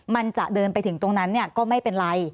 มันจะเดินไปถึงตรงนั้นก็ไม่เป็นไร